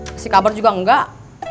kasih kabar juga enggak